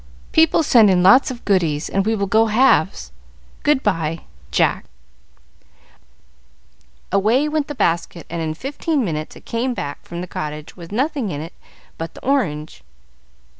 People send in lots of goodies, and we will go halves. Good by. "Jack" Away went the basket, and in fifteen minutes it came back from the cottage with nothing in it but the orange.